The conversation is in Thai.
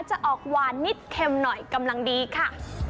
จะออกหวานนิดเค็มหน่อยกำลังดีค่ะ